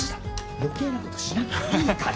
余計なことしなくていいから。